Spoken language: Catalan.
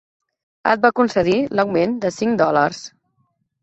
Et va concedir l'augment de cinc dòlars.